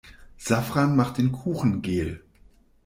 Safran macht den Kuchen gel.